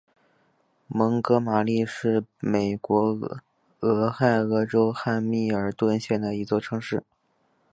蒙哥马利是美国俄亥俄州汉密尔顿县的一座城市。